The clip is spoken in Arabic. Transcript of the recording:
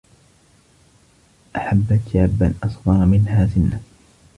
أحبت شابا أصغر منها سنا.